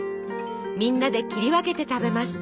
みんなで切り分けて食べます。